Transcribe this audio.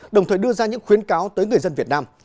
đồng thời đưa ra những khuyến cáo tới người dân việt nam